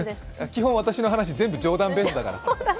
基本私の話、冗談ベースだから。